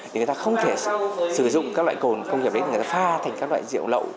người ta không thể sử dụng các loại cồn công nghiệp đấy để pha thành các loại rượu lậu